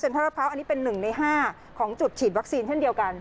เซ็นทรัฐพร้าวอันนี้เป็นหนึ่งใน๕ของจุดฉีดวัคซีนเช่นเดียวกัน